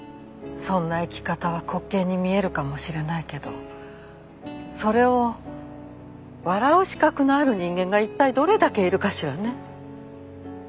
そんな生き方は滑稽に見えるかもしれないけどそれを笑う資格のある人間が一体どれだけいるかしらね？